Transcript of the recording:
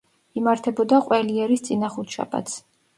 იმართებოდა ყველიერის წინა ხუთშაბათს.